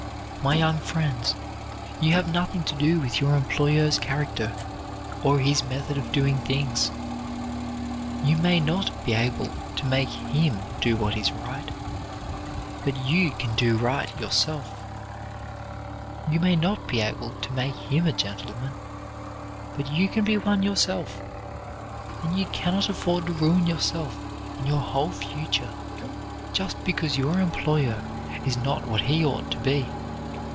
My young friends, you have nothing to do with your employer's character or his method of doing things. You may not be able to make him do what is right, but you can do right yourself. You may not be able to make him a gentleman, but you can be one yourself; and you can not afford to ruin yourself and your whole future just because your employer is not what he ought to be.